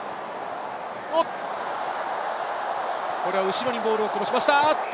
後ろにボールをこぼしました。